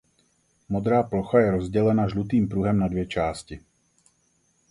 Modrá plocha je rozdělena žlutým pruhem na dvě části.